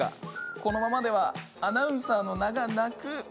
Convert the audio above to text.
このままではアナウンサーの名が泣く。